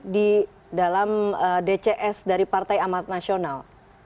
di dalam dcs dari partai amat nasional